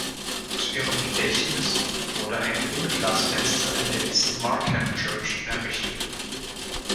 Zu ihrem Gedächtnis wurde ein Buntglasfenster in der East Markham Church errichtet.